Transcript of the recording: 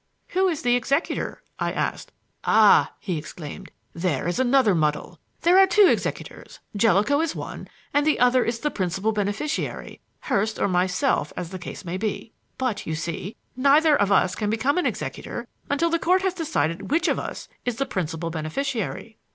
"Who is the executor?" I asked. "Ah!" he exclaimed, "there is another muddle. There are two executors; Jellicoe is one, and the other is the principal beneficiary Hurst or myself, as the case may be. But, you see, neither of us can become an executor until the Court has decided which of us is the principal beneficiary."